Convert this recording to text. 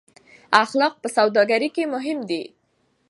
اخلاق په سوداګرۍ کې مهم دي.